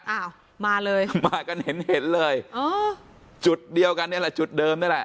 อ้าวมาเลยมากันเห็นเห็นเลยอ๋อจุดเดียวกันนี่แหละจุดเดิมนี่แหละ